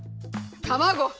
たまご。